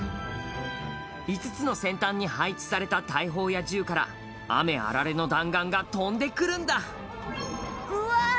５つの先端に配置された大砲や銃から雨あられの弾丸が飛んでくるんだうわー！